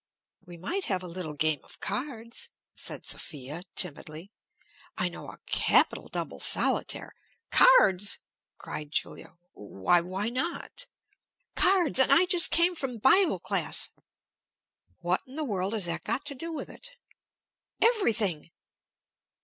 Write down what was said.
"We might have a little game of cards," said Sophia, timidly. "I know a capital double solitaire " "Cards!" cried Julia. "Why why not?" "Cards! And I just came from bible class!" "What in the world has that got to do with it?" "Everything!"